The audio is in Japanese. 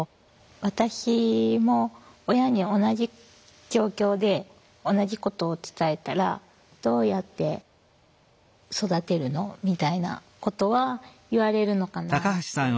私も親に同じ状況で同じことを伝えたら「どうやって育てるの？」みたいなことは言われるのかなって思ってて。